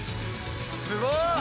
すごい！